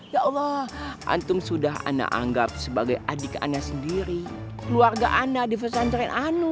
ya allah antum sudah anda anggap sebagai adik anda sendiri keluarga anda sendiri